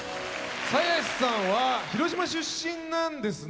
鞘師さんは広島出身なんですね。